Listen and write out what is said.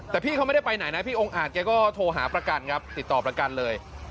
แต่พี่เขาไม่ได้ไปไหนนะพี่องค์อาจแกก็โทรหาประกันครับติดต่อประกันเลย